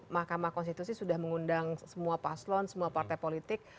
mahkamah konstitusi sudah mengundang semua paslon semua partai politik